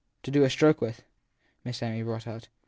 To do a stroke with ! Miss Amy brought out.